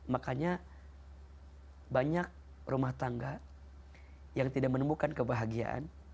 makanya banyak rumah tangga yang tidak menemukan kebahagiaan